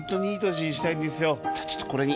じゃあちょっとこれに。